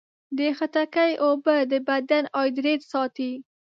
د خټکي اوبه د بدن هایډریټ ساتي.